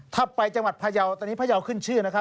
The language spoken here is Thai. ถ้าไปจังหวัดพยาวตอนนี้พยาวขึ้นชื่อนะครับ